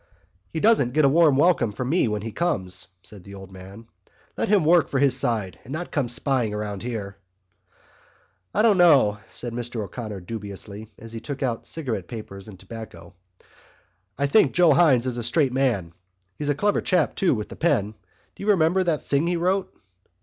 "He doesn't get a warm welcome from me when he comes," said the old man. "Let him work for his own side and not come spying around here." "I don't know," said Mr O'Connor dubiously, as he took out cigarette papers and tobacco. "I think Joe Hynes is a straight man. He's a clever chap, too, with the pen. Do you remember that thing he wrote...?"